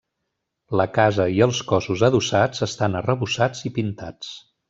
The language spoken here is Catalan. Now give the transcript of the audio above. La casa i els cossos adossats estan arrebossats i pintats.